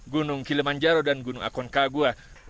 gunung kilemanjaro dan gunung akon kagua